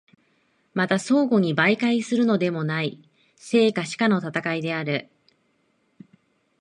また相互に媒介するのでもない、生か死かの戦である。